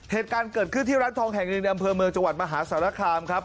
เหตุการณ์เกิดขึ้นที่ร้านทองแห่งหนึ่งในอำเภอเมืองจังหวัดมหาสารคามครับ